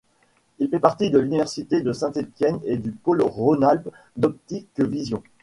Il fait partie de l'Université de Saint-Étienne et du pôle Rhône-Alpes d’optique vision.